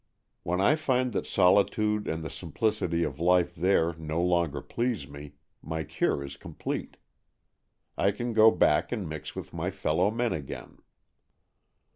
When I find that solitude and the simplicity of life there no longer please me, my cure is complete. I can go back and mix with my fellow men again.